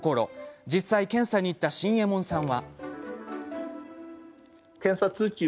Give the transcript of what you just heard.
実際、検査に行ったしんえもんさんは。